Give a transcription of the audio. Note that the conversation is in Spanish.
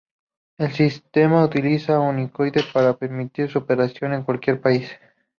El sistema utiliza Unicode para permitir su operación en cualquier país.